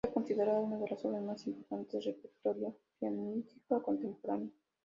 Está considerada una de las obras más importantes del repertorio pianístico contemporáneo.